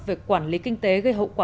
về quản lý kinh tế gây hậu quả